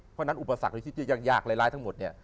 เพราะฉะนั้นอุปสรรคที่ชิดยากร้ายทั้งหมด